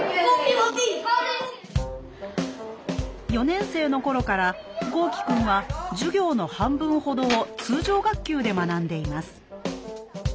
４年生の頃から豪輝くんは授業の半分ほどを通常学級で学んでいます。